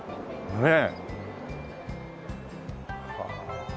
ねえ。